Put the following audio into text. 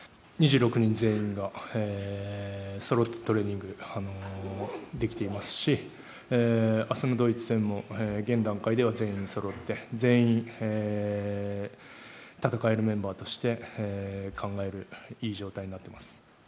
２６人全員が揃ってトレーニングできていますし明日のドイツ戦も現段階では全員揃って全員、戦えるメンバーとして考える良い状態になっています。